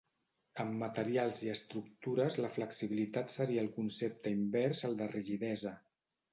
En materials i estructures la flexibilitat seria el concepte invers al de rigidesa.